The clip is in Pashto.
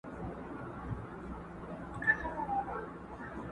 که هر څو یې پښې تڼاکي په ځغستا کړې!.